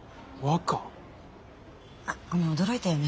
あっごめん驚いたよね。